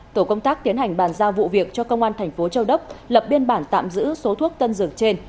tổ công tác tiến hành bàn giao vụ việc cho công an thành phố châu đốc lập biên bản tạm giữ số thuốc tân dược trên